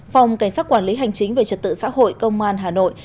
phòng cảnh sát quản lý hành chính về trật tự xã hội công an hà nội